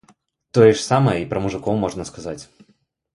Тое ж самае і пра мужыкоў можна сказаць.